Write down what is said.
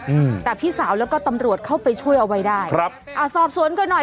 อืมแต่พี่สาวแล้วก็ตำรวจเข้าไปช่วยเอาไว้ได้ครับอ่าสอบสวนกันหน่อย